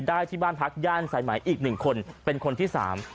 ได้ที่บ้านพักย่านสายไหมอีก๑คนเป็นคนที่๓